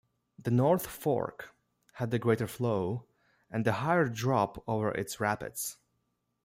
The North Fork had the greater flow and the higher drop over its rapids.